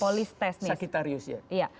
polistes sakitarius ya